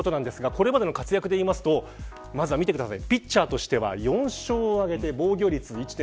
これまでの活躍でいうとまずは見てください。